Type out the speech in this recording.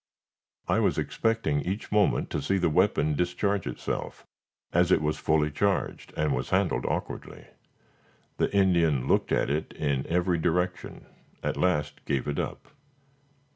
I was expecting each moment to see the weapon discharge itself, as it was fully charged, and was handled awkwardly. The Indian looked at it in every direction, at last gave it up.